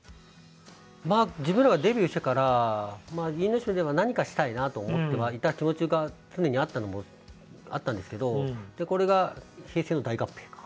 まあ自分らがデビューしてから因島では何かしたいなと思ってはいた気持ちが常にあったんですけどこれが平成の大合併か。